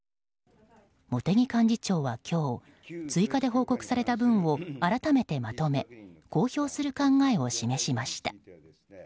茂木幹事長は今日追加で報告された分を改めてまとめ公表する考えを示しました。